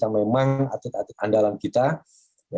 yang memang atik atik andalan kita